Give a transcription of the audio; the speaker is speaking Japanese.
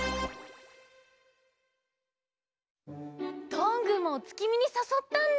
どんぐーもおつきみにさそったんだ。